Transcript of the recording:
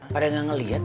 pada gak ngeliat